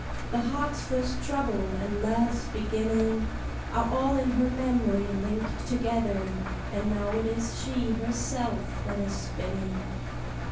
The heart's first trouble, and love's beginning, Are all in her memory linked together; And now it is she herself that is spinning.